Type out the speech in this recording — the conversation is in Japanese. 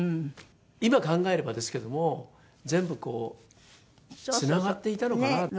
今考えればですけども全部こうつながっていたのかなって。